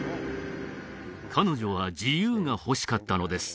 彼女は自由が欲しかったのです